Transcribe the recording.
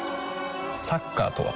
サッカーとは？